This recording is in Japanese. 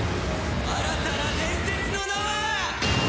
新たな伝説の名は。